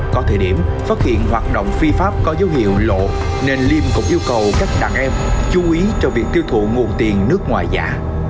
có thời điểm phát hiện hoạt động phi pháp có dấu hiệu lộ nên liêm cũng yêu cầu các đàn em chú ý cho việc tiêu thụ nguồn tiền nước ngoài giả